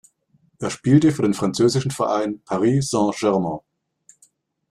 Er spielt für den französischen Verein Paris Saint-Germain.